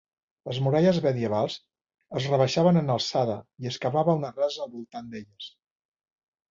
Les muralles medievals es rebaixaven en alçada i es cavava una rasa al voltant d'elles.